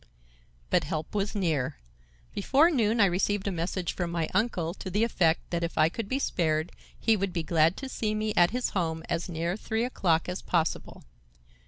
But help was near. Before noon I received a message from my uncle to the effect that if I could be spared he would be glad to see me at his home as near three o'clock as possible.